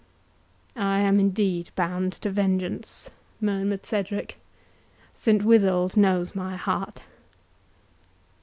"I am indeed bound to vengeance," murmured Cedric; "Saint Withold knows my heart."